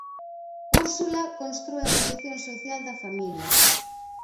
Úrsula constrúe a posición social da familia.